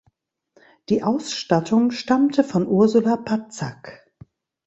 Die Ausstattung stammte von Ursula Patzak.